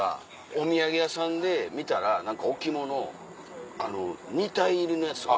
お土産屋さんで見たら置物２体入りのやつとか。